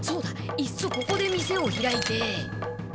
いっそここで店を開いて。